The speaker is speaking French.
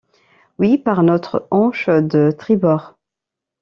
Oui, par notre hanche de tribord.